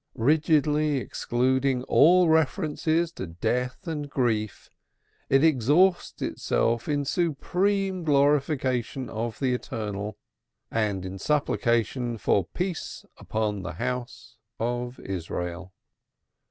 Rigidly excluding all references to death and grief, it exhausts itself in supreme glorification of the Eternal and in supplication for peace upon the House of Israel.